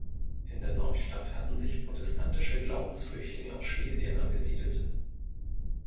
In der Neustadt hatten sich protestantische Glaubensflüchtlinge aus Schlesien angesiedelt.